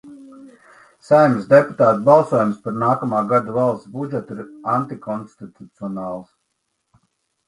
Saeimas deputātu balsojums par nākamā gada valsts budžetu ir antikonstitucionāls.